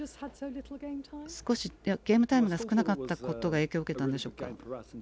少し、ゲームタイムが少なかったことが影響を受けたんでしょうか。